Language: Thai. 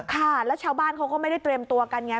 ค่ะแล้วชาวบ้านเขาก็ไม่ได้เตรียมตัวกันไง